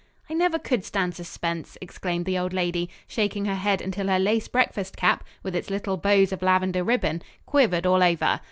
"I never could stand suspense," exclaimed the old lady, shaking her head until her lace breakfast cap, with its little bows of lavender ribbon, quivered all over.